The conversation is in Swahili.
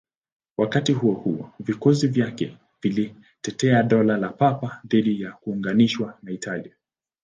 Wakati huo huo, vikosi vyake vilitetea Dola la Papa dhidi ya kuunganishwa na Italia.